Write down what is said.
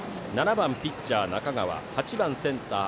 ７番ピッチャー、中川８番、センター